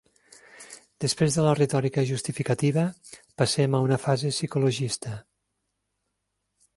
Després de la retòrica justificativa, passem a una fase psicologista.